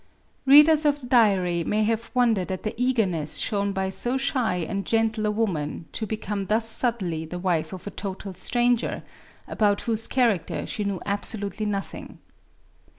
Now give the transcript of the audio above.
Readers of the diary may have wondered at the eagerness shown by so shy and gentle a woman to become thus suddenly the wife of a total stranger, about whose character she knew absolutely nothing.